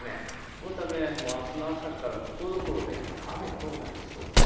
このためあすの朝からところどころで雨となりそうです。